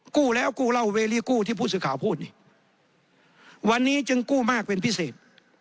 กู้แล้วกู้เหล้าเวรี่กู้ที่ผู้สื่อข่าวพูดนี่วันนี้จึงกู้มากเป็นพิเศษ